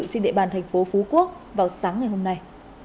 trên địa bàn thành phố phú quốc vào sáng ngày hôm nay